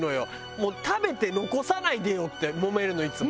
もう食べて残さないでよってもめるのいつも。